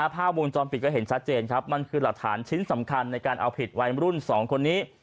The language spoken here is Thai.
ภาพวงจรปิดก็เห็นชัดเจนครับมันคือหลักฐานชิ้นสำคัญในการเอาผิดวัยรุ่น๒คนนี้